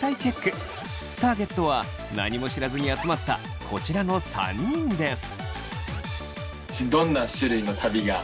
ターゲットは何も知らずに集まったこちらの３人です。